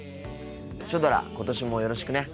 シュドラ今年もよろしくね。